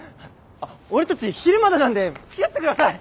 俺たち昼まだなんでつきあって下さい！